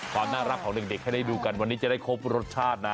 ความน่ารักของเด็กให้ได้ดูกันวันนี้จะได้ครบรสชาตินะ